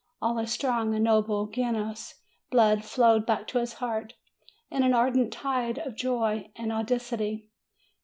All his strong and noble Genoese blood flowed back to his heart in an ardent tide of joy and audacity.